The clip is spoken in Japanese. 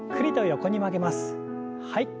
はい。